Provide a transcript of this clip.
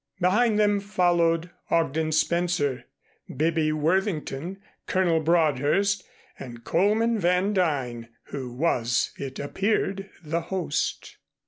Behind them followed Ogden Spencer, Bibby Worthington, Colonel Broadhurst and Coleman Van Duyn, who was, it appeared, the host.